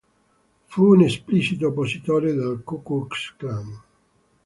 Fu un esplicito oppositore del Ku Klux Klan.